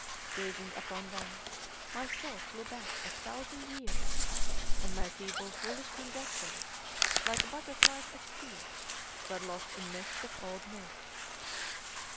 Gazing upon them, my thought flew back a thousand years, and my feeble, foolish conjectures, like butterflies at sea, were lost in mists of old myth.